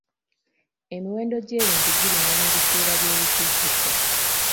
Emiwendo gy'ebintu girinnya mu biseera by'ebikujjuko.